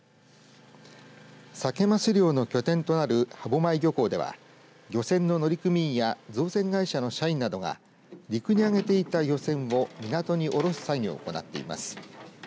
サケ・マス漁の拠点となる歯舞漁港では漁船の乗組員や造船会社の社員などが陸にあげていた漁船を港におろす作業を行っています。